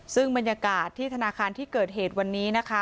ซึ่งบรรยากาศที่ธนาคารที่เกิดเหตุวันนี้นะคะ